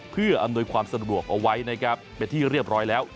เพื่ออำนวยความสะดวกเอาไว้นะครับเป็นที่เรียบร้อยแล้ว